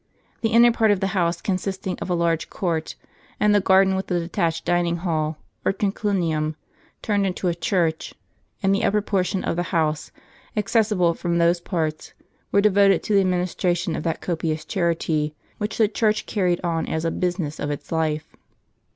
The inner part of the house, con sisting of a large court, and the garden, with a detached dining hall, or triclinium, turned into a church, and the upper portion of the house, accessible from those parts, were devoted to the administration of that copious charity, which the Church car ried on as a business of its life.